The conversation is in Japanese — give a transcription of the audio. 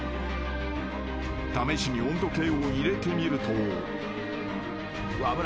［試しに温度計を入れてみると］